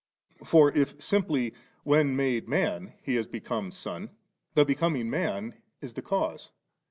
2$. For if simplv, when made Man, He has become Son, the becoming Man is the cause.